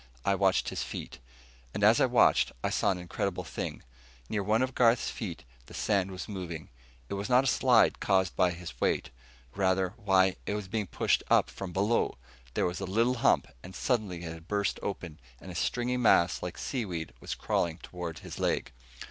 I watched his feet. And as I watched, I saw an incredible thing. Near one of Garth's feet the sand was moving. It was not a slide caused by his weight; rather why, it was being pushed up from below. There was a little hump, and suddenly it had burst open, and a stringy mass like seaweed was crawling toward his leg.